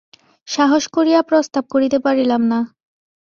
সাহস করিয়া প্রস্তাব করিতে পারিলাম না।